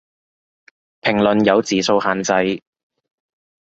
評論有字數限制